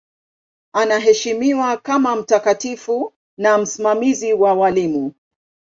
Anaheshimiwa kama mtakatifu na msimamizi wa walimu.